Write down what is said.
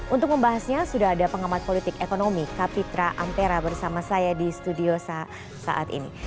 untuk membahasnya sudah ada pengamat politik ekonomi kapitra ampera bersama saya di studio saat ini